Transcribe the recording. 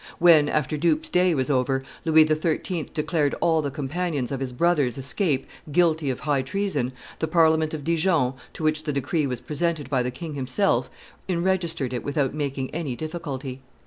When, after Dupes' Day was over, Louis XIII. declared all the companions of his brother's escape guilty of high treason, the Parliament of Dijon, to which the decree was presented by the king himself, enregistered it without making any difficulty.